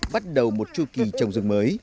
bắt đầu một chu kỳ trồng rừng mới